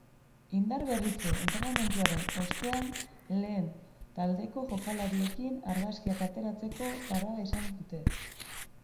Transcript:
Indar berritze entrenamenduaren ostean lehen taldeko jokalariekin argazkiak ateratzeko parada izan dute.